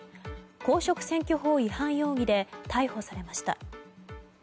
公職選挙法違反容疑で逮捕されました。